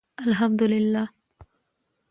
الحمدالله